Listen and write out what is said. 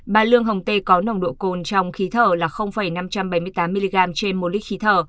bà lương hồng tê có nồng độ cồn trong khí thở là năm trăm bảy mươi tám mg trên một lít khí thở